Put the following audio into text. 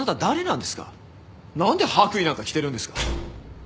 なんで白衣なんか着てるんですか？